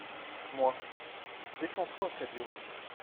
Moi., Défends-toi, Cadio.